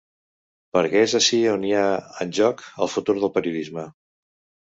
Perquè és ací on hi ha en joc el futur del periodisme.